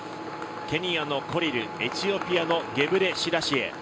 ケニアのコリル、エチオピアのゲブレシラシエ。